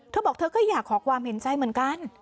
เธอบอกเธอก็อยากขอความเห็นใจเหมือนกัน